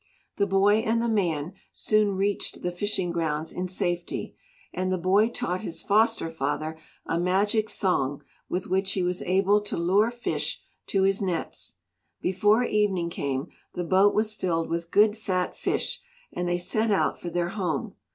The boy and the man soon reached the fishing grounds in safety. And the boy taught his foster father a magic song with which he was able to lure fish to his nets. Before evening came the boat was filled with good fat fish and they set out for their home.